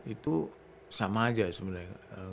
itu sama aja sebenarnya